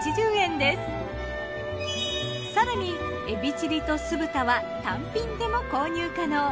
更にエビチリと酢豚は単品でも購入可能。